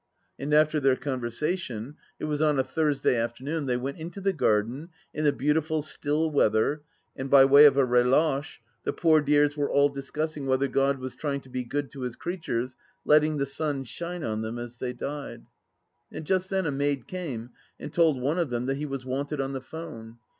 And after their conversation — it was on a Thursday after noon — ^they went into the garden, in the beautiful still weather, and by way of a reldche the poor dears were all discussing whether Grod was trying to be good to His crea tures, letting the sun shine on them as they died. ,., And just then a maid came and told one of them that he was wanted on the 'phone.